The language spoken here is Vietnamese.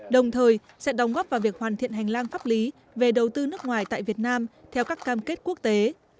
đồng thời sẽ đóng góp vào việc hoàn thiện hành lang pháp lý về đầu tư nước ngoài tại việt nam theo các cam kết quốc tế